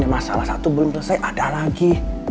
masalah satu belum selesai ada lagi